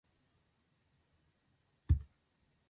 Silsilə Şimal Buzlu okean daxilində yerləşir.